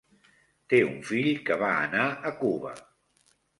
Té un fill que va anar a Cuba.